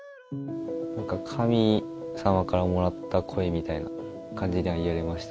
何か神様からもらった声みたいな感じで言われました。